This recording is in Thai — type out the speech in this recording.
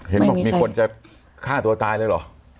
เห็นบอกมีคนจะฆ่าตัวตายเลยเหรอ